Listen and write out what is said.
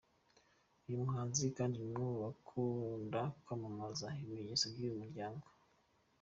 uyu muhanzi kandi ni umwe mubakunda kwamamaza ibimenyetso by’uyu muryango.